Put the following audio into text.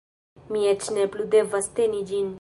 Mi eĉ ne plu devas teni ĝin